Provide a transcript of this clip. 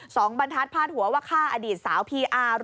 บรรทัศนพาดหัวว่าฆ่าอดีตสาวพีอาร์